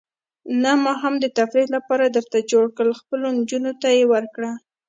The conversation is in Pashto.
نه، ما هم د تفریح لپاره درته جوړ کړل، خپلو نجونو ته یې ورکړه.